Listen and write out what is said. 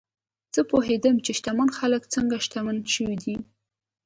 زه پوهېدم چې شتمن خلک څنګه شتمن شوي دي.